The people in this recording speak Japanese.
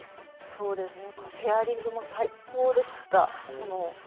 そうですね、ペアリングも最高でした。